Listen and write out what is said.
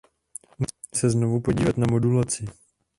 Musíme se znovu podívat na modulaci.